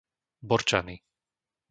Borčany